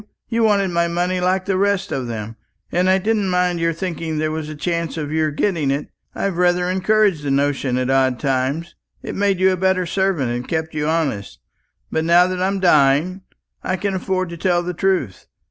You wanted my money like the rest of them, and I didn't mind your thinking there was a chance of your getting it. I've rather encouraged the notion at odd times. It made you a better servant, and kept you honest. But now that I'm dying, I can afford to tell the truth.